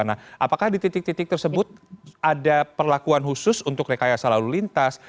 nah apakah di titik titik tersebut ada perlakuan khusus untuk rekayasa lalu lintas